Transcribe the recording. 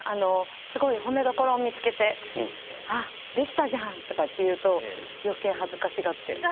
すごいほめどころを見つけて「ああできたじゃん！」とかって言うと余計恥ずかしがって。